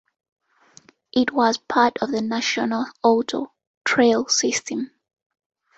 It was part of the National Auto Trail system.